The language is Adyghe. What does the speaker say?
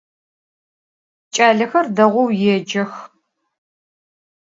Ç'alexer değou yêcex.